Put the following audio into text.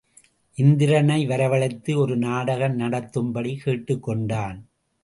இந்திரனை வரவழைத்து ஒரு நாடகம் நடத்தும்படி கேட்டுக் கொண்டான்.